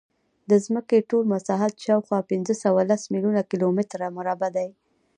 د ځمکې ټول مساحت شاوخوا پینځهسوهلس میلیونه کیلومتره مربع دی.